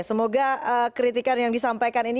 semoga kritikan yang disampaikan ini